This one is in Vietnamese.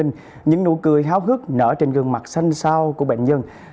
những nụ cười háo hức nở trên gương mặt xanh sao của bệnh nhân